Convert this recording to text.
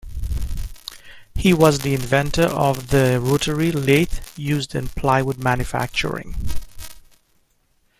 He was the inventor of the rotary lathe used in plywood manufacturing.